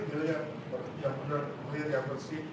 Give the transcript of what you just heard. pilih yang benar benar punya reaksi